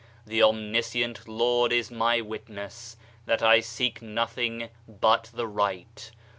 The Omniscient Lord is my wimess, that I seek nothing but the right.